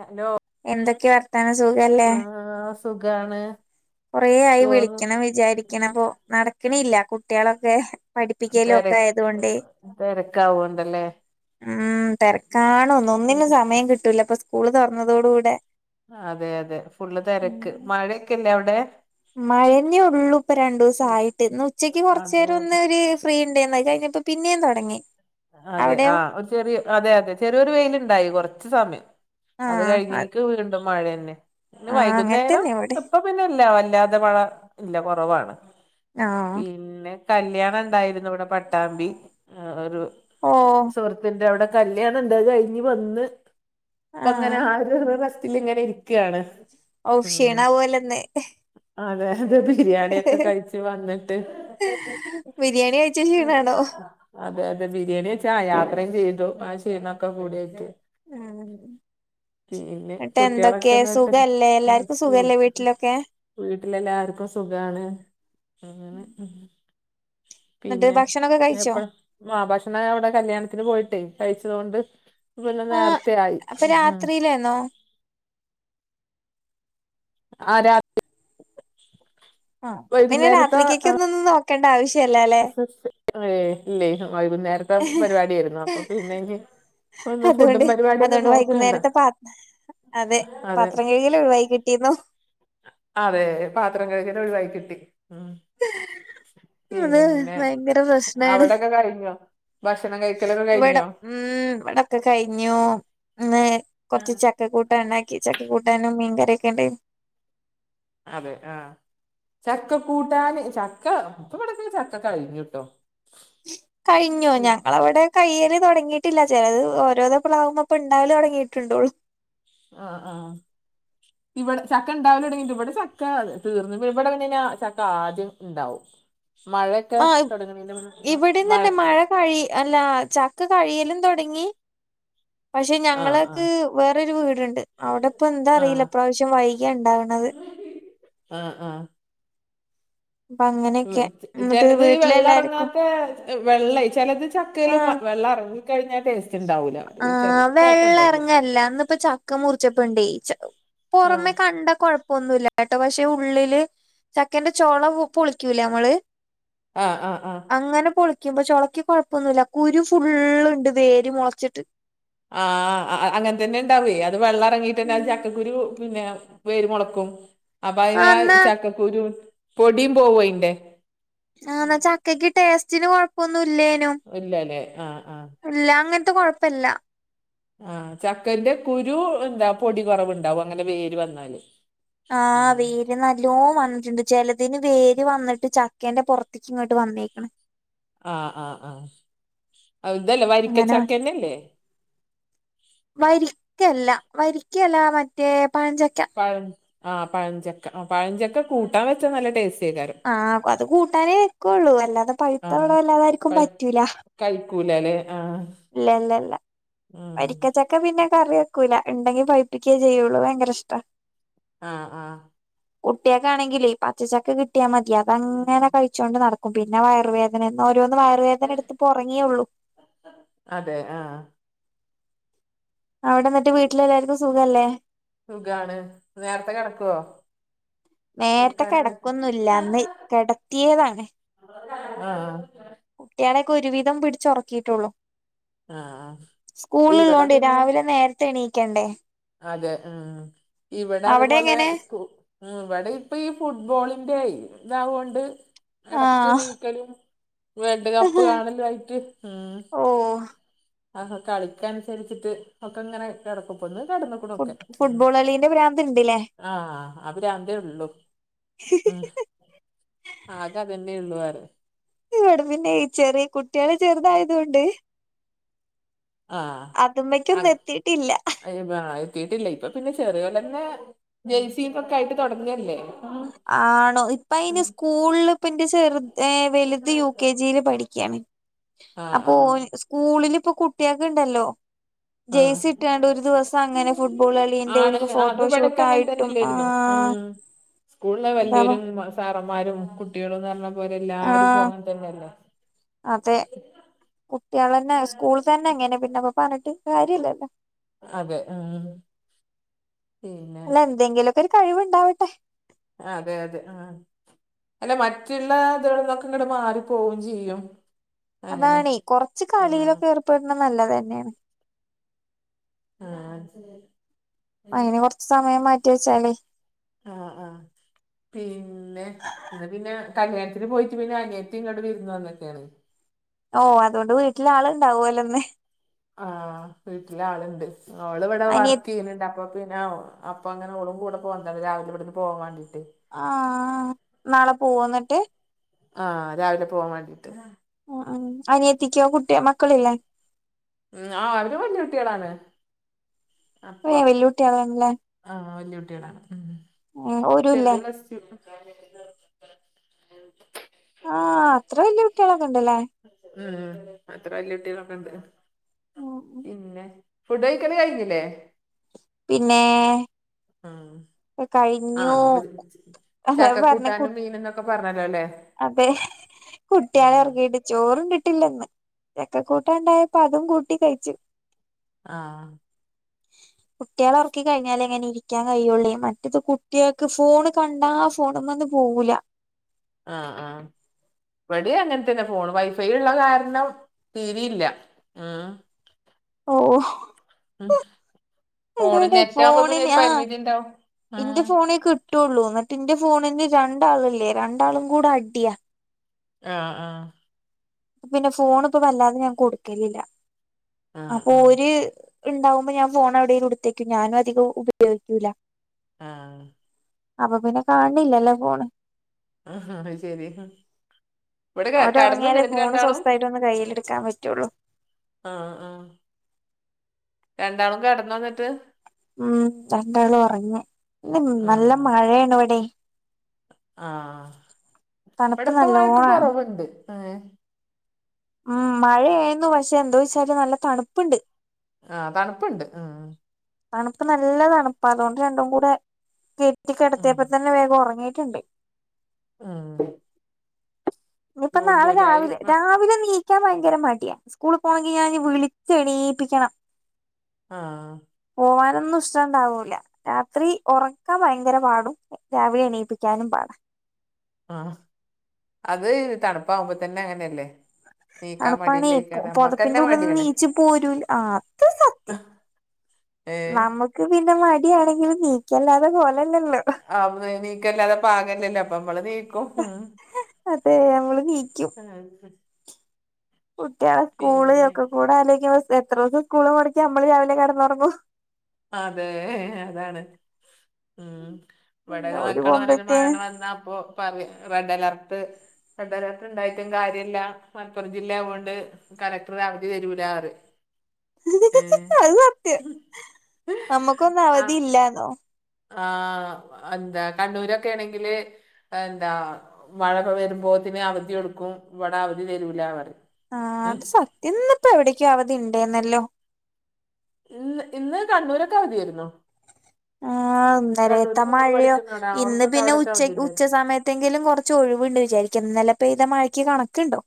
Hello എന്തൊക്കെ വർത്താനം സുഖല്ലേ ആ സുഖാണ് കൊറെ ആയി ചോറ് വിളിക്കണം വിചാരിക്കണം പ്പൊ നടക്കണല്ല കുട്ട്യാളൊക്കെ പഠിപ്പിക്കലുക്കെ ആയതോണ്ട്. തിരക്കാവോണ്ടല്ലേ ഉം തെരക്കാണൊ ഒന്നിനും സമയം കിട്ടൂല. ഇപ്പൊ സ്കൂള് തൊറന്നതോടു കൂടെ ഉം മഴ ഒക്കെ ഇല്ലെ ഔടെ മഴഞ്ഞേ ഒള്ളൂ ഇപ്പ രണ്ടൂസ ആയിട്ട്. ഇന്ന് ഉച്ചയ്ക്ക് കൊറച്ച് അതെ നേേരം അതെ ഒന്നര് പ്രീ ഇണ്ടേയ്‌നു അഹ് കഴിഞ്ഞപ്പോ പിന്നേയും തൊടങ്ങി. അതെ ആ ഒരു ചെറീയ അതെ അതെ ചെറിയ ഒര് വെയിലുണ്ടായി കൊറച്ച് സമയം അത് ആഹ് കഴിഞ്ഞേക്ക് വീണ്ടും മഴയെന്നെ. ഇന്ന് ആഹ് അങ്ങനെ വൈകുന്നേരം തന്നെ ഇവിടെ ഇപ്പം പിന്നെ ഇല്ല. വല്ലാതെ മഴ ഇല്ല കൊറവാണ് ആഹ് പിന്നെ കല്ല്യാണം ഇണ്ടായിരുന്നു ഇവടെ പട്ടാമ്പി. ഒരു ഓ സുഹൃത്തിന്റെ അവടെ കല്യാണം ഇണ്ടായിരുന്നു അത് കഴിഞ്ഞ് വന്ന് ഇപ്പ അങ്ങനെ ആഹ് ആ ഒര് ഇങ്ങനെ റെസ്റ്റിലിങ്ങനെ ഇരിക്കാണ്. ഔ ക്ഷീണ ആവൊല്ലൊ ഇന്ന് അതെ അതെ ബിരിയാണിയൊക്കെ കഴിച്ചു വന്നിട്ട് പണി കയ്ച്ച ക്ഷീണാണോ അതെ അതെ ബിരിയാണി വെച്ചാ യാത്രയും ചെയ്തു. ആ ക്ഷീണൊക്കെ കൂടിയായിട്ട് ആന്ന് ഇന്നട്ട് കുട്ടികളൊക്കെ എന്തൊക്കേ എന്നിട്ട് സുഖല്ലേ. ആ എല്ലാർക്കും സുഖ സുഖെല്ലേ വീട്ടിലൊക്കെ വീട്ടിലെല്ലാർക്കും സുഖാണ് ആഹ് എന്നിട്ട് ഭക്ഷണൊക്കെ കഴിച്ചോ മാ ഭക്ഷണം ഞാ ഇവിടെ കല്യാണത്തിന് പോയിട്ടെ കഴിച്ചതോണ്ടെ ഒര് കൊല്ലം നേര്ത്തെ ആയി ഉം ഇല്ലേന്നോ ആ രാ ആപ്പ പിന്നെ വൈകുന്നേരത്തെ രാത്രിക്കെക്കൊന്നും നോക്കേണ്ട ആവശ്യ ഇല്ലാലെ [unintelligible] ഏ ഇല്ലേ വൈകുന്നേരത്തെ പരിപാടി ഏരുന്നു അപ്പൊ പിന്നെ ഇഞ് അത് കൊണ്ട് അതുകൊണ്ട് വൈകുന്നേരത്തെ പാത്അതെ അതെ പാത്രം കഴ് ഇല്ല വൈകിട്ടീന്നു അതേ പാത്രം കഴ്കല് ഒഴിവായി കിട്ടി ഉം അത് പിന്നെ ഭയങ്കര പ്രശ്നാണ് അവിടെ ഒക്കെ കഴിഞ്ഞോ ഭക്ഷണം കഴിക്കലൊക്കെ ഇവിടെ കഴിഞ്ഞോ ഉം ഇവിടെ ഒക്കെ കഴിഞ്ഞു ഇന്ന് കൊറച്ച് ചക്ക കൂട്ട ഇണ്ടാക്കി ച ക്കകൂട്ടാനും മീൻകറി ഒക്കെ ഉണ്ടായ് ന്ന്. അതെ ആഹ്. ചക്ക കൂട്ടാന്. ചക്ക ഇപ്പ ഇവിടെക്കെ ചക്ക കഴിഞ്ഞുട്ടോ. കഴിഞ്ഞോ ഉം. ഞങ്ങളവിടെ കൈയ്യൽ തൊടങ്ങീട്ടില്ല ചെലത് ഓരോ പ്ലാളാവുമ്പപ്പ ഇണ്ടാവല് തൊടങ്ങിയിട്ടുണ്ടുള്ളൂ ആഹ് ആഹ് ഇവിടെ ചക്ക ഇണ്ടാവല് തൊടങ്ങിട്ട് ഇവടെ ചക്ക തീർന്ന്. ഇവടെ പിന്നെ ഴ്ഞ്ഞാ ചക്ക ആദ്യം ഇണ്ടാവും. മഴയൊക്കെ ആഹ് തൊട്ങ്ങ്ണേന്റ മു [unintelligible] മ്പേ ഇവിടെയും മഴ തന്നെ കഴി അല്ല ചക്ക കഴിയെലും തൊടങ്ങി. പക്ഷെ ആ ആ ഞങ്ങളെക്ക് വേറെ ഒരു വീട്. ഇണ്ട്. അവടെ ഇപ്പ എന്താ ആ അറീല്ല ഇപ്രാവശ്യം വൈകിയാ ഇണ്ടാവ്ണത്. ആഹ് ആഹ് പ്പങ്ങനെ- ഉം. ചെലത് ഈ വെള്ള എറങ്ങാത്തെ വെള്ള ചെലത് ചക്കയില് ആഹ് വെള്ളം എറങ്ങി കഴിഞ്ഞാ ടേ ഇണ്ടാവൂല്ല. ആഹ് വെള്ളം എറങ്ങല്ല ഇന്ന്പ്പം ചക്ക മുറിച്ചപ്പെണ്ടേ ആ പൊറമെ കണ്ട കൊഴപ്പ ഒന്നു ഇല്ല കേട്ടോ പക്ഷെ ഉള്ളില് ചക്കന്റെ ചൊള പുളിക്കൂല നമ്മള്- ആഹ്ആഹ് ആഹ് അങ്ങനെ പൊളിക്കുമ്പോ ചൊളയ്ക്ക് കൊഴപ്പൊന്നുമില്ല കുരു ഫുള്ള് ഉണ്ട് വേര് മുളച്ചിട്ട് ആഹ് അങ്ങനെ തന്നെ ഇണ്ടാവേ അത് വെള്ളം ഇറങ്ങീട്ട് തന്നെ ഉം ചക്കക്കുരു പിന്നെ വേരുമുളക്കും അപ്പൊ അതിനാ ആഹ് ആ എന്നാ ചക്കക്കുരു പൊടിയും പോവും അതിന്റെ ആന്ന ചക്കക്ക് ടേസ്റ്റിന് കൊഴപ്പൊന്നും ഇല്ലേനും ഇല്ല അല്ലേ ആഹ് ആഹ് ഇല്ല അങ്ങനത്തെ കൊഴപ്പ ഇല്ല. ആഹ് ചക്കന്റെ കുരു എന്താ പൊടി കുറവ് ഉണ്ടാവും അങ്ങനെ വേര് വന്നാല്. ആ വീ നല്ലോം വന്നിട്ടുണ്ട് ചിലതിന് വേര് വന്നിട്ട് ചക്കെന്റെ പുറത്തിക്ക് ഇങ്ങട്ട് വന്നേക്കണ്. ആഹ് ആഹ് ആഹ് ഇതല്ലേ അങ്ങനെ വ വരിക്കച്ചക്കന്റെയല്ലേ വരിക്കയല്ല വരിക്കയല്ല മറ്റേ പഴഞ്ചക്ക ആ പഴഞ്ചക്ക ആ പഴഞ്ചക്ക കൂട്ടാൻ വെച്ചാൽ നല്ല ടേസ്റ്റി ആകേരം. ആഹ് അത് കൂട്ടാനേ വെക്കുള്ളൂ അല്ലാതെ പഴുത്ത ഇവിടെ അല്ലാതർക്കും പറ്റൂല. കഴിക്കൂല ലേ ആഹ് ഇല്ല ല്ലല്ല വരിക്ക ചക്ക ക്ക പിന്നെ കറി വെക്കൂല ഉണ്ടെങ്കി പൈപ്പിക്കുവേ ചെയ്യുള്ളൂ ഭയങ്കര ഇഷ്ടാ. ആഹ് ആഹ് കുട്ട്യാൾക്കാണെങ്കിലേ ഈ പച്ചചക്ക കിട്ടിയാൽ മതി അതങ്ങനെ കഴി ച്ചോണ്ട് നടക്കും. പിന്നെ വയറുവേദനയന്ന് ഓരോന്ന് വയറുവേദന എടുത്ത് ഇപ്പം ഉറങ്ങിയേ ഉള്ളു. അതെ ആഹ്. അവിടെ ഇന്നിട്ട് വീട്ടിലെല്ലാർക്കും സുഖല്ലേ സുഖാണ്. നേരത്തെ കിടക്കുവോ? നേരത്തെ കിടക്കാനായിട്ട് കിടക്കൊന്നും ഇല്ല ഇന്ന് കെടത്തിയതാണ്. ആഹ് ആഹ് കുട്ട്യാളെയൊക്കെ ഒരുവിധം പിടിച്ചുറക്കിയിട്ടേ ഉള്ളു. ആ സ്കൂൾ ഇവിടെ ഉള്ളോണ്ട് പിന്നെ രാവിലെ നേരത്തെ എണീക്കണ്ടേ. അതെ ഉം ഇവിടെ അവിടെ അതേപോലെ എങ്ങനെ സ്കു ഇവിടെ ഇപ്പം ഈ ഫുട്ബോളിന്റെ ഇതാവുകൊണ്ട് ഇടക്ക് ആഹ് ണീക്കലും വേൾഡ് കപ്പ് കാണലും ആയിട്ട് ഉം. ഓ ആ കളിക്ക അനുസരിച്ചിട്ട് ഒക്കെ ഇങ്ങനെ കിടക്കും ഇപ്പൊ ഇന്ന് കടന്നു. ഫു ഫുട്ബോൾ കളിന്റെ പ്രാന്ത് ഇണ്ട്ല്ലേ. ആഹ ആ പ്രാന്തേ ഉള്ളൂ ഉം ആകെ അതെന്നെ ഉള്ളൂ വേറെ ഇവിടെ പിന്നെ ഈ ചെറിയ കുട്ട്യാള് ചെറുതായതുകൊണ്ട് ആ അതുമ്മക്കൊന്നും അങ്ങ് എത്തിയിട്ടില്ല അയാ എത്തിയിട്ടില്ല ഇപ്പൊ പിന്നെ ചെറിയോലെന്നെ ജഴ്സിയൊക്കെ ആയിട്ട് തുടങ്ങല്ലേ ഉം ആണോ. ഇപ്പ അയിന് ഉം സ്കൂളില് ഇപ്പന്റെ ചെറു വലുത് യു കെ ജിയില് പഠിക്ക്യാണ്. ആഹ് ആഹ് സ്കൂളിൽ ഇപ്പൊ കുട്ടിയാക്ക്‌ ഇണ്ടല്ലോ. ആഹ് ജെഴ്‌സി ഇട്ടാണ്ട് ഒരു ദിവസം അങ്ങനെ ഫുട്ബോൾ കളിന്റെ ആണ് ഓര്ക്ക്‌ അത് ഫോട്ടോഷൂട്ട് ഇവിടൊക്കെ ആയിട്ടും ആഹാ സ്കൂളില് വലിയൊരും, സാറന്മാരും, കുട്ടികളുംന്ന് പറഞ്ഞ പോലെ എല്ലാരും ഇപ്പൊ ആഹ് അങ്ങനെ തന്നെയല്ലേ. അതെ [unintelligible] കുട്ട്യാളെന്നെ സ്കൂൾ തന്നെ അങ്ങനെ പിന്നെപ്പ പറഞ്ഞിട്ട് കാര്യം ഇല്ലല്ലോ. അതെ ഉം പിന്നെ എന്തെങ്കിലും ഒക്കെ ഒരു കഴിവുണ്ടാവട്ടെ. അതെ അതെ ആഹ് അല്ല മറ്റുള്ള ഇതടെന്നൊക്കെ ഇങ്ങട് മാറി പോവും ചെയ്യും. അങ്ങനെ അതാണേ കുറച്ച് ആഹ് കളിയിലൊക്കെ ഏർപ്പെടുന്നത് നല്ലത് തന്നെയാണ്. ആഹ അയിന് കൊർച്ച് സമയം മാറ്റി വെച്ചാലേ ആഹ് ആഹ് പിന്നെ ന്ന പിന്നെ കല്യാണത്തിന് പോയിട്ട് പിന്നെ അനിയത്തി ഇങ്ങോട്ട് വിര്ന്ന് വന്നക്കെയാണ്. ഓഹ് അതോണ്ട് വീട്ട്ല് ആളുണ്ടാവുല്ലോ ഇന്ന്. ആഹ് വീട്ട്‌ല് ആള്ണ്ട് അവള് ഇവടെ അനിയ വർക്ക് യ്യ്ന്ന്ണ്ട് അ അപ്പൊ പിന്നെ അപ്പ ങ്ങനെ ഓളും കൂടെ [unintelligible] രാവിലെ ഇവ്ട്ന്ന് പോവാൻ ണ്ടിയിട്ട്. ആഹ് നാളെ പോവോ ന്ന്ട്ട്? ആ രാവിലെ പോവാൻ വാണ്ടീട്ട്. ഉം അൻ അനിയത്തിക്കോ കുട്ട്യോ മക്കള്ല്ലേ? ഉം ആഹ് അവര് വല്യ കുട്ട്യളാണ്. [unintelligible] ആഹ് വല്യ കുട്ട്യളാണ് ഉം ഏഹ് ഓരുല്ലേ ചെർത് പ്ലസ്ടു ആഹ് അത്ര വല്യ കുട്ട്യളൊക്കെ ണ്ട്ല്ലേ? ഉം അത്ര വല്യ കുട്ട്യളൊക്കൊണ്ട്. ഉം പിന്നെ ഫുഡ് കഴിക്കല് കഴിഞ്ഞില്ലേ? പിന്നെ ആഹ് ആ കഴിഞ്ഞു ച് അതാ ചക്ക പറഞ്ഞെ കു കൂട്ടാനും മീനന്നൊക്കെ പറഞ്ഞല്ലൊല്ലേ? അതെ കുട്ട്യാളെ ഒർക്കിട്ട് ചോറും കിട്ടില്ലന്ന് ചക്ക കൂട്ടാ ണ്ടായപ്പോ അതും കൂട്ടി കഴിച്ച്. ആഹ് കുട്ടിയാളെ ഓർക്കി കഴിഞ്ഞാലെ ഇങ്ങനെ രി ക്കാൻ കയ്യോള്ളേ മറ്റേ ത് കുട്ടിയേക്ക് ഫോണ് കണ്ടാ ഫോണ് മന്ന് പോകൂല്ല. ആഹ് ആഹ് ഇവടിം അങ്ങൻ തന്നെ ഫോണ് വൈഫൈ ള്ള കാരണം തീരേയില്ല ആഹ്. ഓഹ് ഉം ഫോണ് [unintelligible] നെറ്റ് ആവുമ്പോ പിന്നെ ഫോണ്ന് ഒരു ആ പരിമിതി ഉണ്ടാവും ഉം ഇന്റെ ആഹ് ഫോണേ ക് ട്ടൊള്ളൂ എന്നിട്ട്ന്റെ ഫോണ്ന് രണ്ടാള്ല്ലേ രണ്ടാളും കൂടെ അടിയാ. ആഹ് ആഹ് പ്പ പിന്നെ ഫോൺ പ്പൊ വല്ലാതെ ഞാൻ കൊടുക്കലില്ല ആഹ് അപ്പൊ ഓര് ഇണ്ടാവുമ്പോ ഞാൻ ഫോൺ അഒടേൽ എടുത്തേക്കും ഞാൻ അധികം ഉപയോഗിക്കൂല്ല. ആഹ് അപ്പൊ പിന്നെ കാണ്ന്ല്ലല്ലോ ഫോണ്. ആഹ് ഹാ അഹ് സര്യ. ഓര് ഒർങ്ങിയാലേ ഫോണ് രണ്ടാളും സ്വസ്ഥമായിട്ട് ഒന്ന് കയ്യിലെട്ക്കാൻ പറ്റുള്ളൂ. ആഹ് ആഹ് രണ്ടാളും കെടന്നോ ന്ന്ട്ട്? ഉം രണ്ടാളും ഒറങ്ങ ഇന്ന് നല്ല ആഹ് മഴയാണ് ഇവടെ. ആഹ് തണുപ്പ് ഇവടപ്പോ മഴക്ക് നല്ലോണാണ് കൊറവുണ്ട് ഏഹ്. ഉം മഴയേന്നു പക്ഷെ എന്തോച്ചാല് നല്ല തണുപ്പ്ണ്ട്. ആഹ് തണുപ്പ്ണ്ട് ഉം. തണുപ്പ് നല്ല തണുപ്പ അതുകൊണ്ട് രണ്ടും കൂടെ കെറ്റി ഉം കെടത്തിയപ്പത്തന്നെ വേഗം ഒറങ്ങിയിട്ടുണ്ട്. ഉം ഇനിയിപ്പ ജൂൺ നാളെ ജൂലൈ രാവിലെ രാവിലെ നീ ക്കാൻ ഭയങ്കര മട്യാ സ്കൂള് പോണങ്കി ഞാൻ വിളിച്ച് എണീപ്പിക്കണം. ആഹ് പോവാനൊന്നും ഇഷ്ട ണ്ടാവൂല്ല രാത്രി ഒറക്കാൻ ഭയങ്കര പാടും. രാവിലെ എണീപ്പിക്കാനും പാട. ആഹ് അത് തണുപ്പാകുമ്പോ തന്നെ അങ്ങനെയല്ലേ. നീക്കാൻ തണുപ്പാണേ പോ മടിയില്ലേക്കാരം പൊത്പ്പിന്റെ നമ്മക്കന്നെ ഉള്ള്ന്ന് മടിയാണ് നീച്ച് പോരൂല്ല ആഹ് അത് സത്യം. ഏഹ് നമുക്ക് പിന്നെ മടിയാണെങ്കിൽ നീക്കല്ലാതെ പോരല്ലല്ലോ ആ എനീക്കല്ലാതെ പാകല്ലല്ലോ അപ്പൊ നമ്മളെനീക്കും ഉം ഞങ്ങൾ ണീയ്ക്കും ആ, കുട്ടിയാളെ സ്കൂള് പിന്നെ ന്നൊക്കെകൂടെ ആലോയ്ക്കുമ്പോ സ് എത്രോസം സ്കൂള് മൊടക്കി നമ്മള് രാവിലെ കടന്നുറങ്ങും അതെ അതാണ് ഉം പിന്നെ ഇവടെക്കെ ഓര് മക്കള് പറയ്ണത് പോകുമ്പത്തേന് മഴയൊന്നു വന്നാ അപ്പൊ റെഡ് അലർട്ട് റെഡ് അലർട്ട് ഉണ്ടായിട്ടും കാര്യല്ല മലപ്പുറം ജില്ല ആവോണ്ട് കലക്ടർ അവധി തരൂല പറിം ഏഹ് നമ്മക്കൊന്നും അവധി ഇല്ലാന്നോ ആഹ് എന്താ കണ്ണൂരൊക്കേണെങ്കില് എന്താ മഴക്കെ വരുമ്പോത്തിന് അവധികൊടുക്കും ഇവടെ അവധി തരൂ ലാ പറിം ആ അത് സത്യം ഇന്നിപ്പോ എവിടക്കോ അവധി ഉണ്ടേന്നല്ലോ ഇന്ന് ഇന്ന് കണ്ണൂരൊക്കെ അവധിയായിരുന്നു ആ ഇന്നലത്ത കണ്ണൂര് മോള് മഴയോ പഠിക്കുന്ന അവിടെ ഇന്ന് അവൾക്കൊക്കെ പിന്നെ അവിടൊക്കെ അവധി ഉച്ചക്ക് ഉച്ച ഉണ്ടായിരുന്നു. സമയത്ത് തെങ്കിലും കൊർച്ച് ഒഴിവ്ണ്ട് വിചാരിക്കാം ഇന്നലെ പെയ്ത മഴക്ക് കണക്ക്ണ്ടോ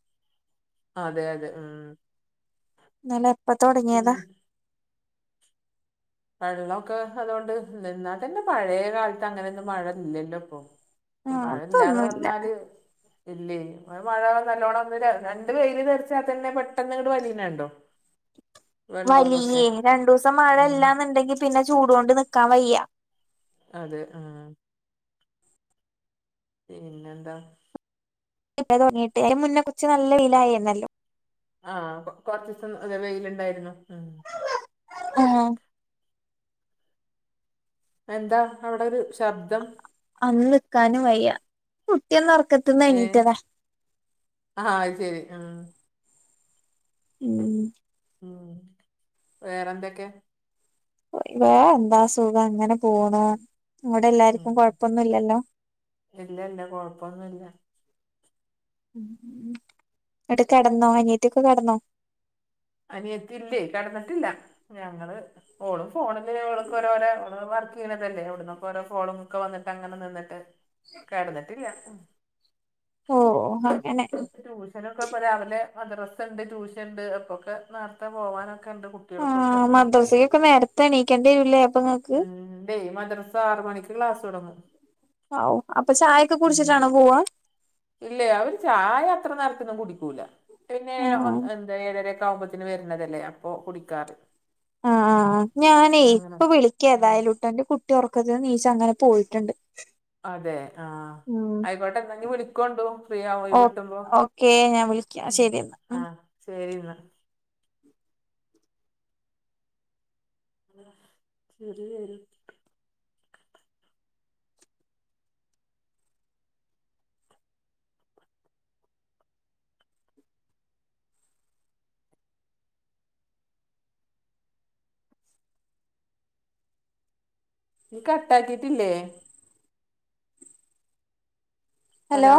അതെ അതെ ഉം ഇന്നലെ എപ്പ ഉം തൊട്ങ്ങിയതാ വെള്ളൊക്കെ അതോണ്ട് എന്നാൽത്തന്നെ പഴയ കാലത്തെ അങ്ങനൊന്നും മഴ ഇല്ലല്ലോ ഇപ്പൊ ആ മഴ ഇല്ലാന്ന് അതൊന്നുല്ല പർഞ്ഞാല് ഇല്ലേ മഴ നല്ലോണം [unintelligible] രണ്ട് വെയിൽ തെറിച്ചാൽ തന്നെ പെട്ടെന്നങ്ങട്ട് വലിന കണ്ടോ വലിയേ രണ്ടൂസം മഴ ഉം ഇല്ലാന്നുണ്ടെങ്കിപ്പിന്നെ ചൂട് കൊണ്ട് നിക്കാൻ വയ്യ അതെ ആഹ് പിന്നെന്താ ഇപ്പ തൊട്ങ്ങിയിട്ടെ അയിന് മുന്നെ കുറച്ച് നല്ല വെയിലായ്നല്ലോ ആഹ് കൊ കൊർച്ചീസം നല്ല വെയില്ണ്ടായിര്ന്നു ഉം ആഹ് എന്താ അവിടെ ഒരു ശബ്ദം? അന്ന് നിക്കാനും വയ്യ കുട്ടിയൊന്ന് ഒറക്കത്തിന്നു എണ്ണീറ്റതാ ആഹ് ശരി ആ ഉം ഉം വേറെന്തൊക്കെ വേറെന്താ സുഖം അങ്ങനെ പോണ് ഇങ്ങൾടെ ഉം എല്ലാർക്കും കൊഴപ്പൊന്നുല്ലല്ലോ ഇല്ല ഇല്ല കൊഴപ്പൊന്നുല്ല ഉം ന്നട്ട് കെടന്നോ അനിയത്തി ഒക്കെ കെടന്നോ അനിയത്തില്ലേ കെടന്നിട്ടില്ല ഞങ്ങള് ഓളും ഫോണില് ഓൾക്ക് ഓരോരോ വ വീണതല്ലേ അവ്ട്ന്നൊക്കൊ ഓരോ ഫോണും ഒക്കെ വന്നിട്ട് അങ്ങനെ നിന്നിട്ട് കടന്നിട്ടില്ല ഓ അങ്ങനെ ട്യൂഷനൊക്കെ ഇപ്പൊ രാവിലെ മദ്രസ ഇണ്ട് ട്യൂഷൻ ഇണ്ട് അപ്പൊക്കെ നേറ്ത്തെ പോവാനൊക്കെ ഇണ്ട് ആ മദ്രസയൊക്കെ നേരത്തെ എണീക്കേണ്ടി വരൂല്ലേ അപ്പൊ ഇങ്ങ ഉം ണ്ടേയ് മദ്രസ ആറ് മണിക്ക് ക്ലാസ് തൊടങ്ങും ഔ അപ്പൊ ചായൊക്കെ കുടിച്ചിട്ടാണോ പോവാ ഇല്ലേ അവര് ചായ അത്ര നേരത്തൊന്നും കുടിക്കൂല പിന്നെ ആ [unintelligible] ഏഴ് ഏഴരെക്ക് ആവുംമ്പത്തിന് വരുന്നതല്ലേ അപ്പൊ കുടിക്കാറി ആഹ് ഞാനേ ഇപ്പൊ വിളിക്കേ ആ ഏതായാലും ട്ടന്റെ കുട്ടി ഒറക്കത്തിന്ന് നീച്ച് അങ്ങനെ പോയിട്ട്ണ്ട് അതെ ആഹ് ആയിക്കോട്ടെന്നാ ഇഞ്ഞ് വിളിക്കോണ്ടൂ ഫ്രീ ആവുമ്പോ ഒഴിവ്ട്ടുമ്പോ കേ ഞാന് വി വിളിക്കാ ശരിന്നാ ശെരിന്നാ ചിറി വെര്ണ്ട് ഇയ് കട്ടാക്കിട്ടില്ലേ? ഹലോ